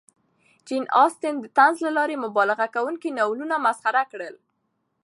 جین اسټن د طنز له لارې مبالغه کوونکي ناولونه مسخره کړل.